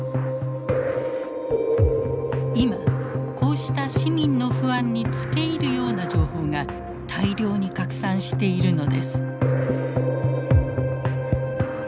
今こうした市民の不安につけいるような情報が大量に拡散しているのです。